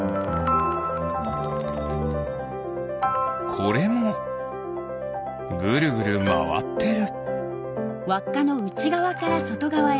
これもぐるぐるまわってる。